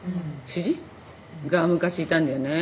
詩人？が昔いたんだよね。